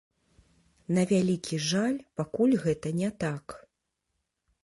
На вялікі жаль, пакуль гэта не так.